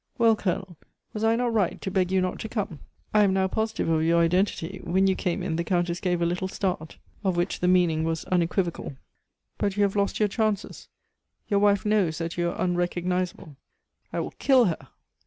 "Well, Colonel, was I not right to beg you not to come? I am now positive of your identity; when you came in, the Countess gave a little start, of which the meaning was unequivocal. But you have lost your chances. Your wife knows that you are unrecognizable." "I will kill her!"